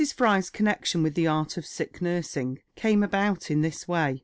Fry's connection with the art of sick nursing came about in this way.